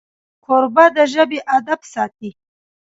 کوربه د ژبې ادب ساتي.